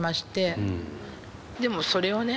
でもそれをね